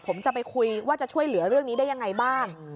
ผมจะไปคุยว่าจะช่วยเหลือเรื่องนี้ได้ยังไงบ้าง